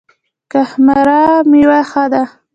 کهمرد میوه ښه ده؟